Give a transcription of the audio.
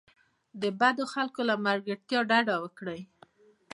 د بدو خلکو له ملګرتیا ډډه وکړئ.